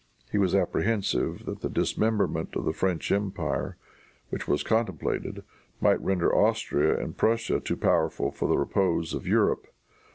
He was apprehensive that the dismemberment of the French empire, which was contemplated, might render Austria and Prussia too powerful for the repose of Europe.